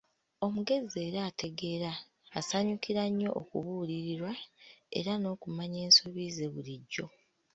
Omugezi era ategeera asanyukira nnyo okubuulirirwa era n'okumanya ensobi ze bulijjo.